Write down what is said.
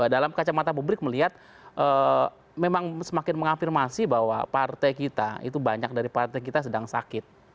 dalam kacamata publik melihat memang semakin mengafirmasi bahwa partai kita itu banyak dari partai kita sedang sakit